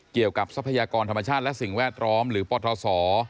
เกี่ยวกับทรัพยากรธรรมชาติและสิ่งแวร์ทรอมหรือปรทศ